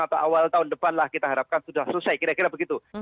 atau awal tahun depan lah kita harapkan sudah selesai kira kira begitu